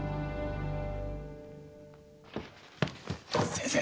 先生！